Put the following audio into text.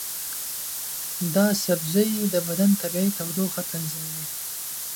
دا سبزی د بدن طبیعي تودوخه تنظیموي.